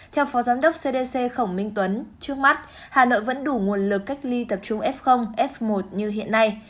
theo phó giám đốc cdc khổng minh tuấn trước mắt hà nội vẫn đủ nguồn lực cách ly tập trung f f một như hiện nay